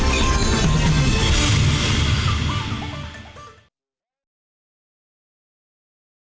sudah campus mengunjungi malam apa